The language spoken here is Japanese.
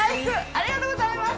ありがとうございます。